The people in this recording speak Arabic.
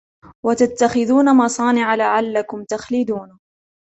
وتتخذون مصانع لعلكم تخلدون